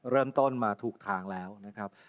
เริ่มต้นมาถูกทางแล้วนะครับ